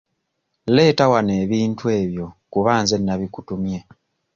Leeta wano ebintu ebyo kuba nze nnabikutumye.